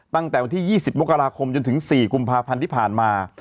ตั้งแต่วันที่๒๐มกราคมจนถึง๔กุมภาพันธ์ที่ผ่านมา